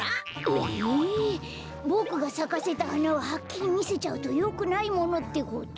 ええボクがさかせたはなははっきりみせちゃうとよくないものってこと？